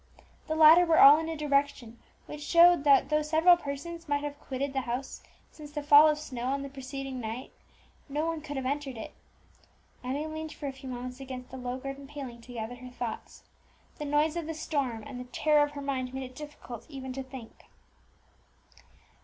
The latter were all in a direction which showed that though several persons might have quitted the house since the fall of snow on the preceding night, no one could have entered it. Emmie leaned for a few moments against the low garden paling to gather her thoughts; the noise of the storm and the terror of her mind made it difficult even to think.